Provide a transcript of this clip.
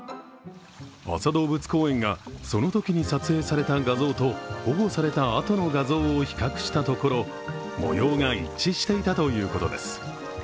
安佐動物公園がそのときに撮影された画像と、保護されたあとの画像を比較したところ、模様が一致していたということです。